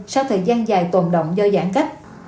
sau thời gian dài tồn động do giãn cách